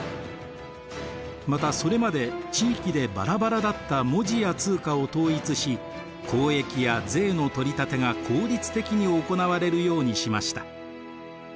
またそれまで地域でばらばらだった文字や通貨を統一し交易や税の取り立てが効率的に行われるようにしました。